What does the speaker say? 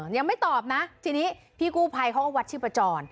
ยังไม่ตอบนะทีนี้พี่กู้ภัยเขาก็วัดชีพจร